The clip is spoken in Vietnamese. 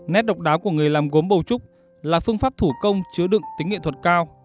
nét độc đáo của người làm gốm bầu trúc là phương pháp thủ công chứa đựng tính nghệ thuật cao